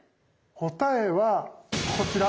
答えはこちら。